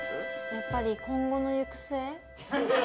やっぱり今後の行く末？